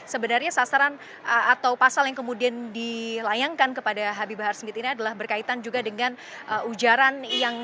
sebenarnya sasaran atau pasal yang kemudian dilayangkan kepada habib bahar smith ini adalah berkaitan juga dengan ujaran yang